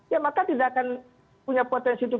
ya maka tidak akan punya potensi itu